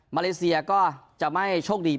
เลเซียก็จะไม่โชคดี